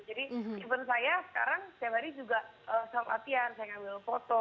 jadi even saya sekarang setiap hari juga self latihan saya ngambil foto